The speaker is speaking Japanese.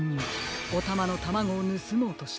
おたまのタマゴをぬすもうとした。